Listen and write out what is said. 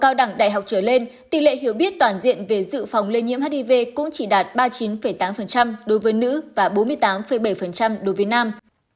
cao đẳng đại học trở lên tỷ lệ hiểu biết toàn diện về dự phòng lây nhiễm hiv cũng chỉ đạt ba mươi chín tám đối với nữ và bốn mươi tám bảy đối với nam